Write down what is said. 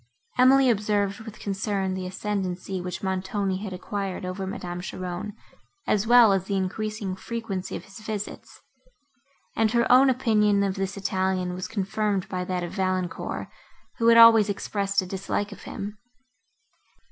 Emily observed with concern the ascendancy, which Montoni had acquired over Madame Cheron, as well as the increasing frequency of his visits; and her own opinion of this Italian was confirmed by that of Valancourt, who had always expressed a dislike of him.